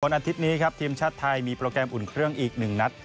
อาทิตย์นี้ครับทีมชาติไทยมีโปรแกรมอุ่นเครื่องอีก๑นัด